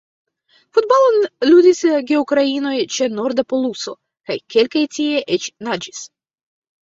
Futbalon ludis geukrainoj ĉe norda poluso – kaj kelkaj tie eĉ naĝis.